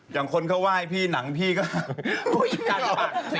อย่างคนเขาว่าให้พี่หนังพี่เยี่ยมมาก